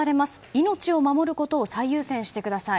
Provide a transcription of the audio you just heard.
命を守ることを最優先してください。